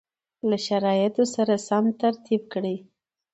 له شرایطو سره سم ترتیب کړي